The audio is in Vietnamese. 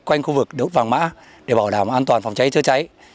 quanh khu vực đốt vàng mã để bảo đảm an toàn phòng cháy chữa cháy